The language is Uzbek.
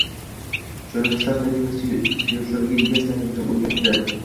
Jurnalistlar tabiiy va suyultirilgan gaz ta’minotini o‘rganding